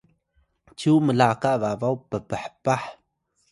cyu mlaka babaw pphpah